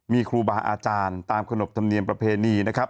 มีครูบาอาจารย์ตามขนบธรรมเนียมประเพณีนะครับ